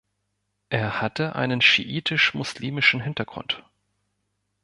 Er hatte einen schiitisch-muslimischen Hintergrund.